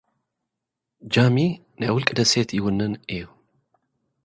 ጃሚ፡ ናይ ውልቂ ደሴት ይውንን እዩ።